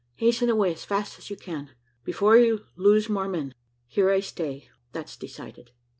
Hasten away as fast as you can, before you lose more men. Here I stay that's decided."